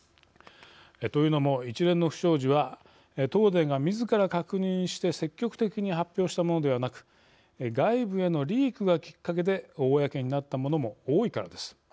というのも一連の不祥事は東電がみずから確認して積極的に発表したものではなく外部へのリークがきっかけで公になったものも多いからです。